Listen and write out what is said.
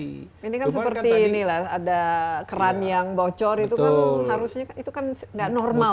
ini kan seperti ini lah ada keran yang bocor itu kan harusnya itu kan nggak normal